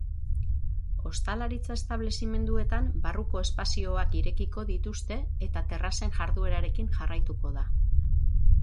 Ostalaritza-establezimenduetan, barruko espazioak irekiko dituzte, eta terrazen jarduerarekin jarraituko da.